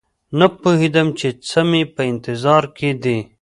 نه پوهېدم چې څه مې په انتظار کې دي